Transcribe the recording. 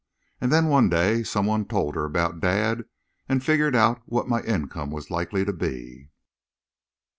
And then one day some one told her about dad and figured out what my income was likely to be.